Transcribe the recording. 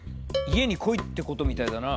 家に来いってことみたいだな。